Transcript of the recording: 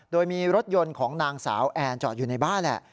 โดยมีรถยนต์ของนางสาวแอนจอดอยู่ในบ้านแหละ